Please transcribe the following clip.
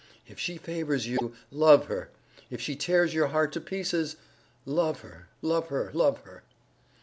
If she favors you, love her! If she tears your heart to pieces, love her, love her, love her!"